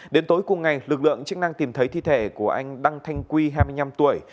đến tối cùng ngày lực lượng chức năng tìm thấy thi thể của anh đăng thanh quy hai mươi năm tuổi